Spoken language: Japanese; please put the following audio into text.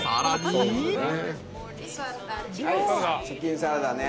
チキンサラダね。